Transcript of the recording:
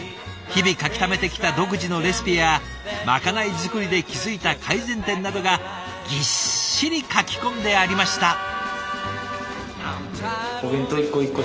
日々書きためてきた独自のレシピやまかない作りで気付いた改善点などがぎっしり書き込んでありました。